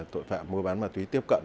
tội phạm mua bán ma túy tiếp cận